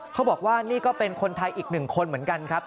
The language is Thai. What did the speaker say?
เขาบอกว่านี่ก็เป็นคนไทยอีกหนึ่งคนเหมือนกันครับ